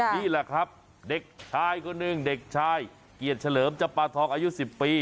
นี่แหละครับเด็กชายคนหนึ่งเด็กชายเกียรติเฉลิมจับปลาทองอายุ๑๐ปี